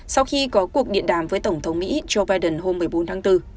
sau khi có cuộc điện đàm với tổng thống mỹ joe biden hôm một mươi bốn tháng bốn